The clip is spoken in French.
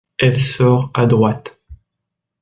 Elle sort à droite.